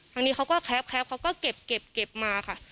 ทางนี้เขาก็แคปเขาก็เก็บมาค่ะ